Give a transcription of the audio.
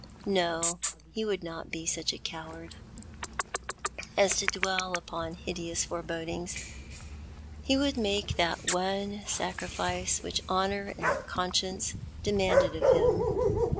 No, he would not be such a coward 96 Thou ai^t the Man. as to dwell upon hideous forebodings. He would make that one sacrifice which honour and conscience demanded of him.